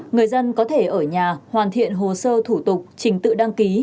người dân có thể ở nhà hoàn thiện hồ sơ thủ tục trình tự đăng ký